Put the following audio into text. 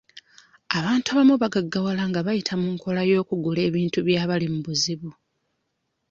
Abantu abamu bagaggawala nga bayita mu nkola y'okugula ebintu by'abali mu buzibu.